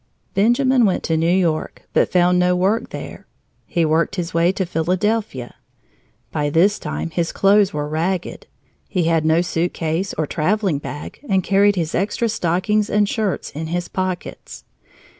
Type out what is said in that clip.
Benjamin went to New York but found no work there. He worked his way to Philadelphia. By this time his clothes were ragged. He had no suitcase or traveling bag and carried his extra stockings and shirts in his pockets.